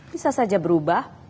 bisa saja berubah